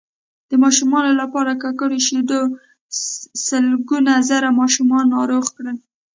د ماشومانو لپاره ککړو شیدو سلګونه زره ماشومان ناروغان کړل